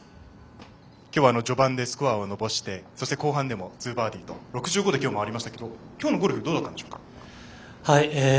今日は序盤でスコアを伸ばしてそして後半でも２バーディーと６５で回りましたが今日のゴルフどうだったでしょうか。